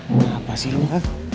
mbak apa sih lo mbak